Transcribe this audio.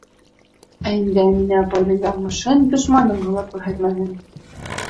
Ә инде Әминә апайҙың яҙмышын дошманыңа ла күрһәтмәһен.